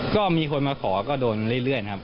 ก็มีคนมาขอก็โดนเรื่อยครับ